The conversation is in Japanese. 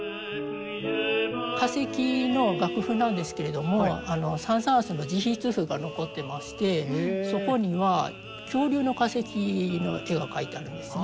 「化石」の楽譜なんですけれどもサン・サーンスの直筆譜が残ってましてそこには恐竜の化石の絵が描いてあるんですね。